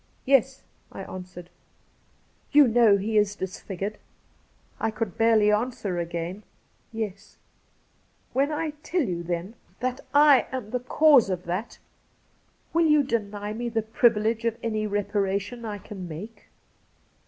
' Yes,' I answered. ' You know he is disfigured ?' I could barely answer again, ' Yes.' ' When I tell you, then, that / am the cause of 158 Cassidy that, will you deny me the privilege of any reparation I can make